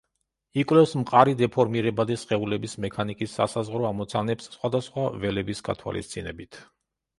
იკვლევს მყარი დეფორმირებადი სხეულების მექანიკის სასაზღვრო ამოცანებს სხვადასხვა ველების გათვალისწინებით.